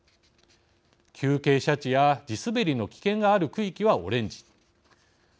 急傾斜地や地滑りの危険がある区域はオレンジ。